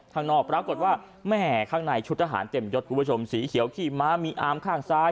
ข้างนอกปรากฏว่าแม่ข้างในชุดทหารเต็มยดคุณผู้ชมสีเขียวขี้ม้ามีอามข้างซ้าย